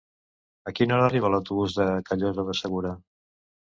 A quina hora arriba l'autobús de Callosa de Segura?